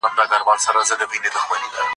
زموږ اتلان دي بریالي او محفوظ اوسي